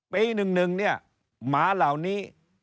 ปี๑หมาเหล่านี้